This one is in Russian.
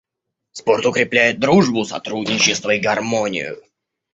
Спорт укрепляет дружбу, сотрудничество и гармонию.